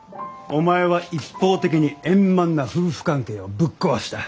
お前は一方的に円満な夫婦関係をぶっ壊した。